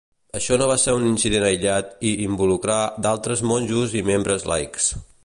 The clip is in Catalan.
Això no va ser un incident aïllat i involucrà d'altres monjos i membres laics.